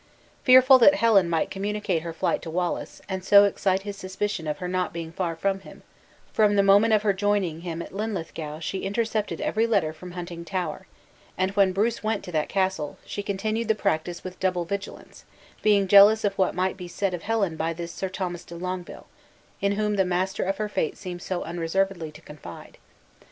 Fearful that Helen might communicate her flight to Wallace, and so excite his suspicion of her not being far from him, from the moment of her joining him at Linlithgow she intercepted every letter from Huntingtower: and when Bruce went to that castle, she continued the practice with double vigilance, being jealous of what might be said of Helen by this Sir Thomas de Longueville, in whom the master of her fate seemed so unreservedly to confide.